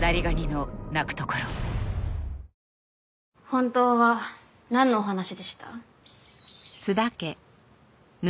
本当はなんのお話でした？